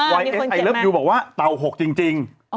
เอสไอเลิฟยูบอกว่าเต่า๖จริง